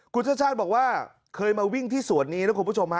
กุธชชาติบอกว่าเคยมาวิ่งที่สวนนี้นะครับคุณผู้ชม